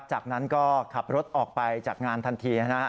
จากนั้นก็ขับรถออกไปจากงานทันทีนะครับ